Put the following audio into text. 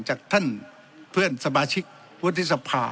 จากท่านเพื่อนสมาชิกวุฒิสภา